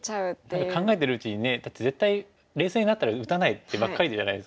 何か考えてるうちにねだって絶対冷静になったら打たない手ばっかりじゃないですか。